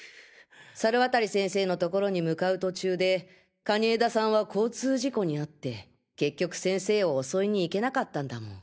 猿渡先生の所に向かう途中で蟹江田さんは交通事故に遭って結局先生を襲いに行けなかったんだもん。